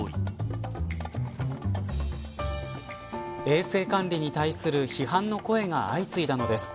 衛生管理に対する批判の声が相次いだのです。